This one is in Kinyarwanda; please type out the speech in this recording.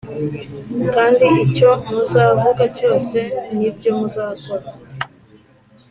Kandi icyo muzavuga cyose n’ibyo muzakora